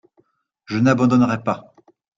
Je n’abandonnerai pas.